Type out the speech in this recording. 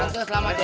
tante selamat ya